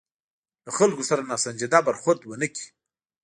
له خلکو سره ناسنجیده برخورد ونه کړي.